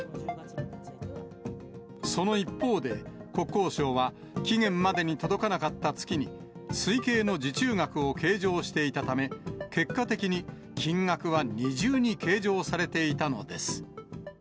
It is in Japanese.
その一方で、国交省は期限までに届かなかった月に、推計の受注額を計上していたため、結果的に金額は二重に計上されていたのです。